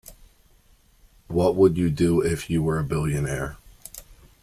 What would you do if you were a billionaire?